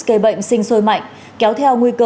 kề bệnh sinh sôi mạnh kéo theo nguy cơ